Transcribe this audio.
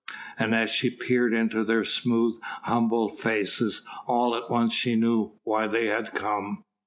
And as she peered into their smooth, humble faces, all at once she knew why they had come.